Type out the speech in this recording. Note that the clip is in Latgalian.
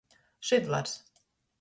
Šydlars.